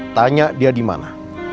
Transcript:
tanya dia dimana